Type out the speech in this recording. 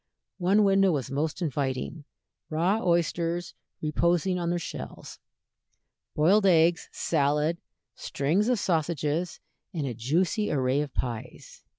One window was most inviting raw oysters reposing in their shells, boiled eggs, salad, strings of sausages, and a juicy array of pies.